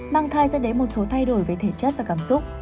mang thai dẫn đến một số thay đổi về thể chất và cảm xúc